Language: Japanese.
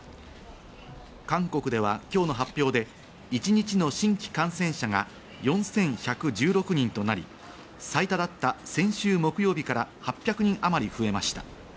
韓国では今日の発表で一日の新規感染者が４１１６人となり、最多だった先週木曜日から８００人あまり増えました。